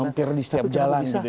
hampir di setiap jalan